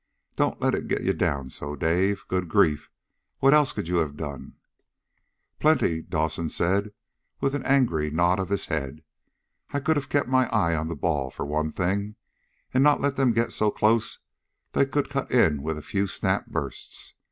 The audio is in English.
"Don't let it get you down so, Dave. Good grief! What else could you have done?" "Plenty!" Dawson said with an angry nod of his head. "I could have kept my eye on the ball, for one thing, and not let them get so close they could cut in with a few snap bursts.